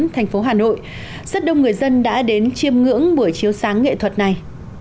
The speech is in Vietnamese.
thành phố hà nội rất đông người dân đã đến chiêm ngưỡng buổi chiếu sáng nghệ thuật này